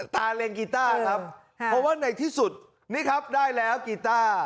เล็งกีต้าครับเพราะว่าในที่สุดนี่ครับได้แล้วกีต้า